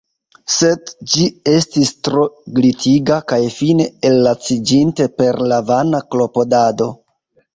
Sed ĝi estis tro glitiga; kaj fine, ellaciĝinte per la vana klopodado.